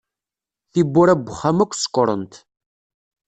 Tiwwura n wexxam akk sekkṛent.